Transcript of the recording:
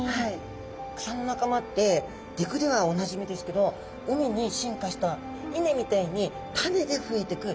草の仲間って陸ではおなじみですけど海に進化したいねみたいに種で増えてく